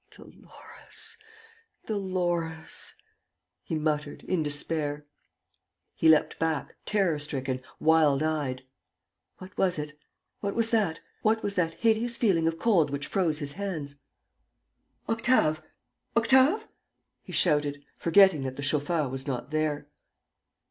"Dolores. ... Dolores. ..." he muttered, in despair. He leapt back, terror stricken, wild eyed. What was it? What was that? What was that hideous feeling of cold which froze his hands? "Octave! Octave?" he shouted, forgetting that the chauffeur was not there.